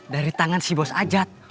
dari tangan si bos ajat